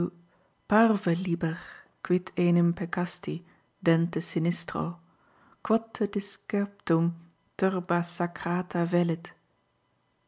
Parve liber, quid enim peccasti, dente sinistro. Quod te discerptum turba sacrata velit?